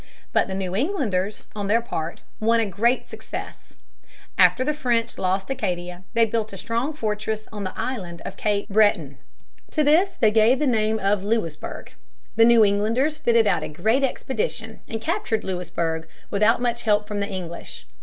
But the New Englanders, on their part, won a great success. After the French lost Acadia they built a strong fortress on the island of Cape Breton. To this they gave the name of Louisburg. The New Englanders fitted out a great expedition and captured Louisburg without much help from the English.